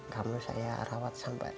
kamu saya rawat sampai